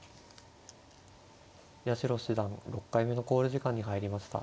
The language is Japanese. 八代七段６回目の考慮時間に入りました。